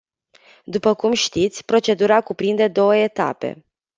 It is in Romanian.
După cum știți, procedura cuprinde două etape.